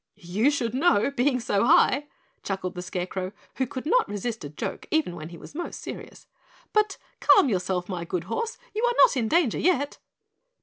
"You should know, being so high," chuckled the Scarecrow, who could not resist a joke even when he was most serious. "But calm yourself, my good horse, you are not in danger yet."